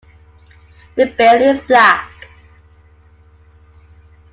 The bill is black.